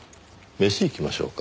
飯行きましょうか。